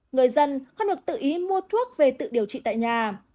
người dân không được tự ý mua thuốc về tự điều trị tại nhà